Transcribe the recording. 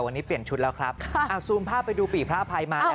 วันนี้เปลี่ยนชุดแล้วครับซูมภาพไปดูปี่พระอภัยมา